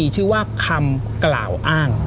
ชื่อว่าคำกล่าวอ้าง